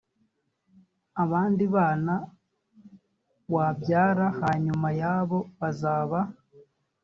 abandi bana wabyara hanyuma yabo bazaba